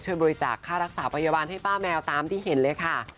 บริจาคค่ารักษาพยาบาลให้ป้าแมวตามที่เห็นเลยค่ะ